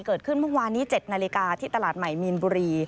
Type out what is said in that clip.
เกิดขึ้นเมื่อวานนี้๗นาฬิกาที่ตลาดใหม่มีนบุรี